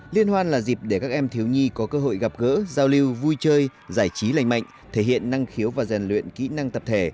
liên hoan là dịp để các em thiếu nhi có cơ hội gặp gỡ giao lưu vui chơi giải trí lành mạnh thể hiện năng khiếu và rèn luyện kỹ năng tập thể